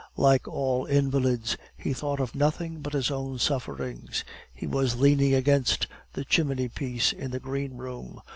Like all invalids, he thought of nothing but his own sufferings. He was leaning against the chimney piece in the greenroom.